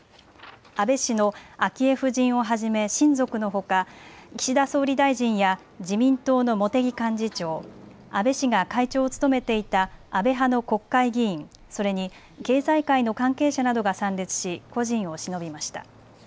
安倍氏の昭恵夫人をはじめ親族のほか岸田総理大臣や自民党の茂木幹事長、安倍氏が会長を務めていた安倍派の国会議員、それに経済界の関係者などが参列し故人をしのびました。